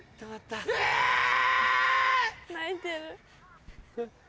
泣いてる。